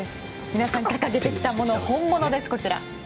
皆さん、掲げてきたもの本物です、こちら。